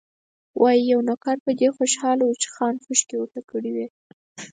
وايي، یو نوکر په دې خوشاله و چې خان خوشکې ورته کړې وې.